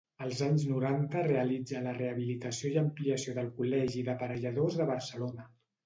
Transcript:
Als anys noranta realitza la rehabilitació i ampliació del Col·legi d'Aparelladors de Barcelona.